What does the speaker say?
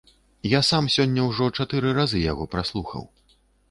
Я сам сёння ўжо чатыры разы яго праслухаў.